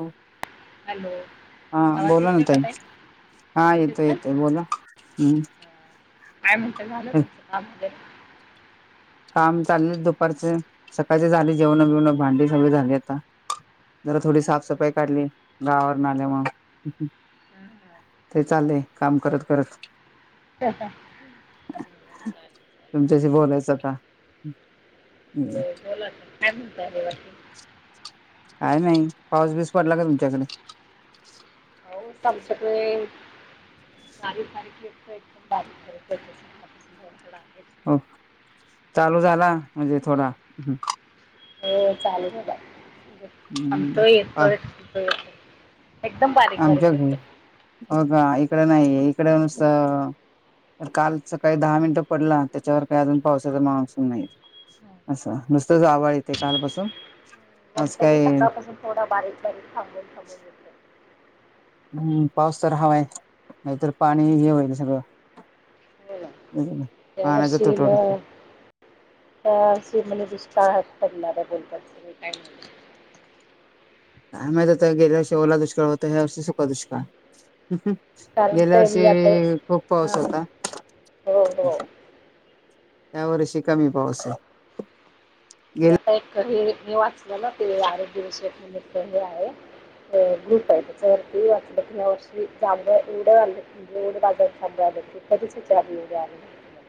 हो [inaudible] हॅलो हा आवाज बोला ना येतोय त का ताई [inaudible] हा येतो येतोय बोला [inaudible] हम्म अं, काय म्हणत झालं तुमचं [inaudible] कामध्ये काम चालले दुपारचे. सकाळचे झाले जेवण बिवण. भांडी सगळे झाली आता. जरा हो थोडी का? हो, साफसफाई हो. काढली. गावावरन आल्यामुळ. हां हां ते चालु आहे काम करत करत [inaudible] चालेल, तुमच्याशी बोलायच का? [inaudible] बोल ना काय म्हणताय काय नाही पाऊस बीस पडला का तुमच्याकडे. आमच्याकडे बारीक बारीक येतोय. एकदम बारीक त्यासाठी [unintelligible] हो चालू झाला म्हणजे थोडा. हो चालेू झाला‌ थांबतोय येतोय. थांबतोय येतोय. एकदम बारीक आमच्या बारीक कडे येतो. ह का इकड नाहीय. इकड नुसत तर काल सकाळी दहा मिनट पडला. त्याच्यावर काही अजून पावसाचा मान्सून नाही. हो. का? अस नुसतच आभाळ येतय कालपासून. आज आमचा काय सकाळपासून थोडा बारीक बारीक थांबून थांबून येतोय. हम्म पाऊस तर हवाय. नाहीतर पाणी हे होईल सगळ. हो ना या पाण्याचा तुटवडा यावर्षी म्हणे दुष्काळात पडणार बोलतात म्हणे. काय माहिती. काय माहित आता गेल्या वर्षी ओला दुष्काळ होता. ह्या वर्षी सुका दुष्काळ. कारण गेल्या ते मी आता वर्षी खूप पाऊस हा होता. हो हो या वर्षी कमी पाऊस आहे. गेल्या मी आता एक हे मी वाचल ना ते आरोग्यविषयक निमित्त हे आहे. ग्रूप आहे. त्याच्यावरती वाचल कि यावर्षी चांगल गोड बाजारात जांभळ आले. ते कधीच नव्हते.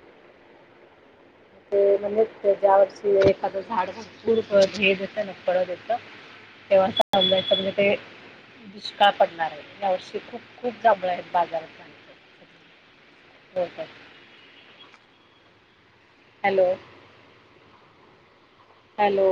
ते म्हणे ज्या वर्षी एखाद झाड भरपूर हे देत ना फळ देत तेव्हाच दुष्काळ पडणार आहे. यावर्षी खूप खूप जांभळ आहेत बाजारात. हो काय. Hello hello